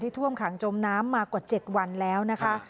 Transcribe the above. ท่วมขังจมน้ำมากว่า๗วันแล้วนะคะ